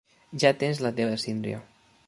Ja tens la teva síndria.